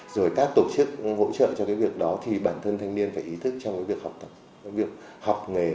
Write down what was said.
rồi các tổ chức hỗ trợ cho cái việc đó thì bản thân thanh niên phải ý thức trong cái việc học nghề